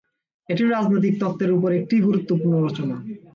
এটি রাজনৈতিক তত্ত্বের উপর একটি গুরুত্বপূর্ণ রচনা।